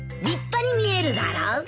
立派に見えるだろ？